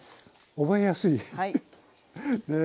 覚えやすいフフ。ねえ。